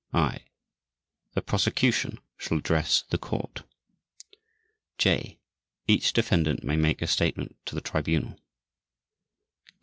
(i) The Prosecution shall address the Court. (j) Each Defendant may make a statement to the Tribunal.